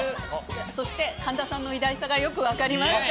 そして、神田さんの偉大さがよく分かりました。